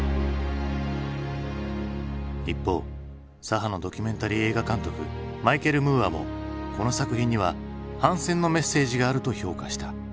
一方左派のドキュメンタリー映画監督マイケル・ムーアもこの作品には反戦のメッセージがあると評価した。